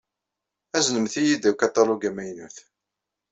Aznemt-iyi-d akaṭalug amaynu.